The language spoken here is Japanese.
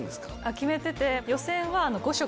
決めてて。